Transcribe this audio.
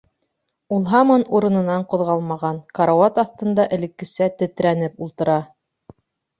Ул һаман урынынан ҡуҙғалмаған, карауат аҫтында элеккесә тетрәнеп ултыра.